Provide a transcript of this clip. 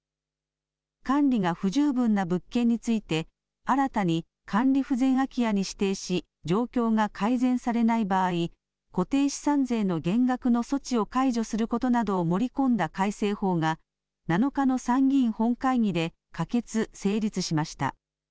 管理が不十分な物件について、新たに管理不全空き家に指定し、状況が改善されない場合、固定資産税の減額の措置を解除することなどを盛り込んだ改正法が、７日の参議院本会議で可決・成立しました。